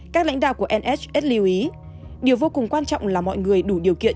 các lãnh đạo của ms lưu ý điều vô cùng quan trọng là mọi người đủ điều kiện